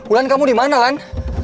ulan kamu dimana lan